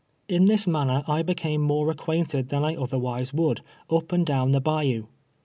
In this manner I became more acquainted than I otherwise would, np and down the bayou.